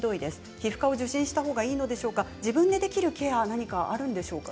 皮膚科を受診したほうがいいんでしょうか自分でできるケアはありますか。